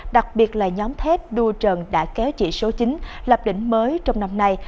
đặc biệt là nhóm thép đua trần đã kéo chỉ số chín lập đỉnh mới trong năm nay